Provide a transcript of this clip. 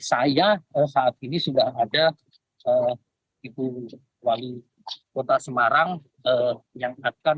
saya saat ini sudah ada ibu wali kota semarang yang akan